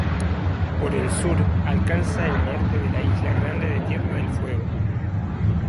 Por el sur alcanza el norte de la isla Grande de Tierra del Fuego.